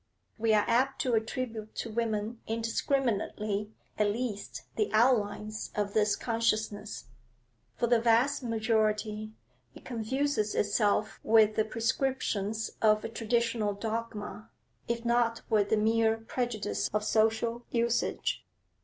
We are apt to attribute to women indiscriminately at least the outlines of this consciousness; for the vast majority it confuses itself with the prescriptions of a traditional dogma, if not with the mere prejudice of social usage.